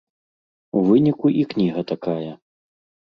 У выніку і кніга такая.